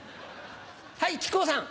はい木久扇さん。